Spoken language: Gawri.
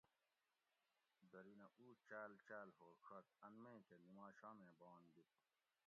درینہ اُو چاۤل چاۤل ھوڛت ان مے کہ نِماشامیں باۤنگ دِت